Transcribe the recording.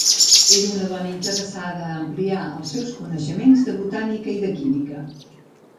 Era una dona interessada a ampliar els seus coneixements de botànica i de química.